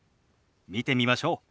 見てみましょう。